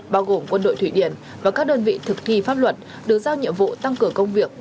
bao gồm quân đội thụy điển và các đơn vị thực thi pháp luật được giao nhiệm vụ tăng cường công việc